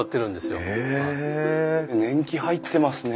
年季入ってますね。